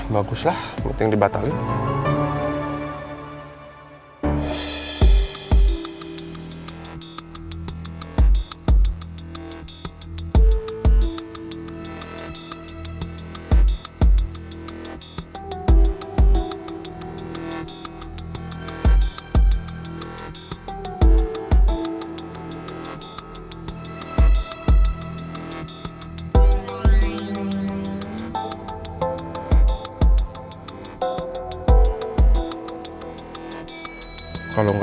bagus lah meeting dibatalin